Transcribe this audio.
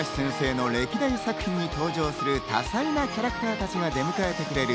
冨樫先生の歴代作品に登場する多彩なキャラクターたちが出迎えてくれる。